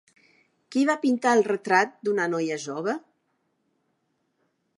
Qui va pintar el Retrat d'una noia jove?